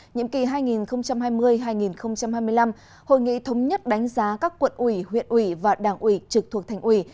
nhiệm kỳ hai nghìn hai mươi hai nghìn hai mươi năm hội nghị thống nhất đánh giá các quận ủy huyện ủy và đảng ủy trực thuộc thành ủy